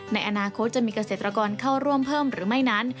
ในอนาคตจะมีเกษตรกรเข้าร่วมเพิ่มหรือไม่นั้น